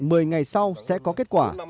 hẹn một mươi ngày sau sẽ có kết quả